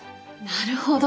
なるほど。